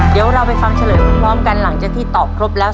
เดี๋ยวเราไปฟังเฉลยพร้อมกันหลังจากที่ตอบครบแล้ว